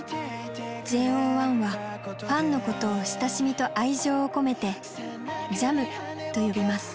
ＪＯ１はファンのことを親しみと愛情を込めてＪＡＭと呼びます。